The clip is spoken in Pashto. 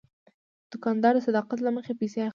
دوکاندار د صداقت له مخې پیسې اخلي.